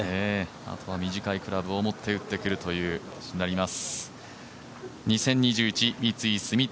あとは短いクラブを持って打ってくることになります。